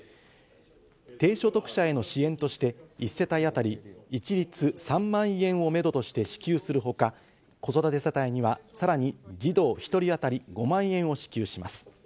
低所得者への支援として１世帯あたり、一律３万円をめどとして支給するほか、子育て世帯にはさらに児童１人あたり５万円を支給します。